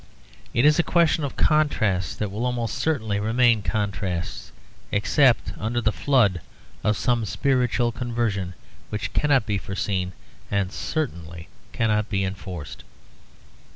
It is a question of contrasts that will almost certainly remain contrasts, except under the flood of some spiritual conversion which cannot be foreseen and certainly cannot be enforced.